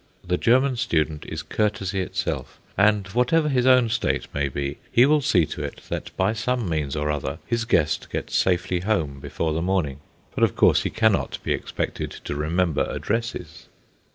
The German student is courtesy itself, and whatever his own state may be, he will see to it that, by some means or another, his guest gets safely home before the morning. But, of course, he cannot be expected to remember addresses.